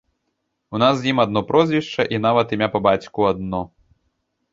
У нас з ім адно прозвішча і нават імя па бацьку адно.